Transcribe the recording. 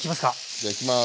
じゃいきます。